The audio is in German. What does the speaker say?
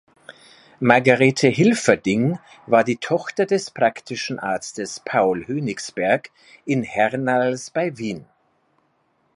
Margarete Hilferding war die Tochter des praktischen Arztes Paul Hönigsberg in Hernals bei Wien.